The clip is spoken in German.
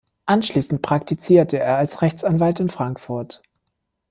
Anschließend praktizierte er als Rechtsanwalt in Frankfurt.